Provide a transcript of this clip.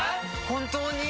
本当に。